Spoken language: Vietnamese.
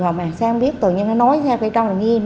và bắt tạm giam vốn đi tại dưới đường dây buôn bán ma túy